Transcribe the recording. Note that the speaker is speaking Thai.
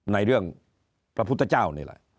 ในเรื่องพระพุทธเจ้านี่แหละ